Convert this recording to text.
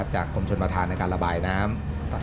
จากกรมชนประธานในการระบายน้ำ